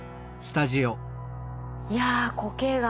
いや固形がん